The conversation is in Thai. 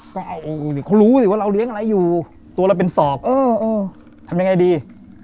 ก็เขารู้สิว่าเราเลี้ยงอะไรอยู่ตัวเราเป็นศอกเออเออทำยังไงดี